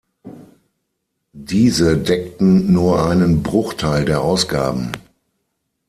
Diese deckten nur einen Bruchteil der Ausgaben.